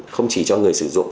không chỉ cho người sử dụng